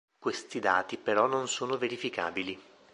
Questi dati però non sono verificabili.